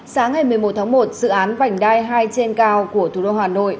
sáng ngày một mươi một tháng một dự án vành đai hai trên cao của thủ đô hà nội